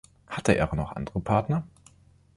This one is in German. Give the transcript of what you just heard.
Hatte er noch andere Partner?